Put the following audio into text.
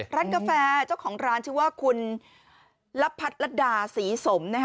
กาแฟเจ้าของร้านชื่อว่าคุณละพัดลัดดาศรีสม